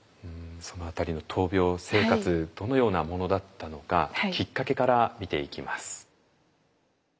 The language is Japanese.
その辺りの闘病生活どのようなものだったのかきっかけから見ていきます。